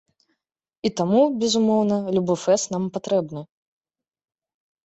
І таму, безумоўна, любы фэст нам патрэбны.